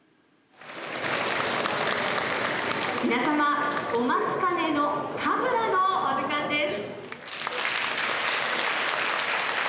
「皆様お待ちかねの神楽のお時間です」。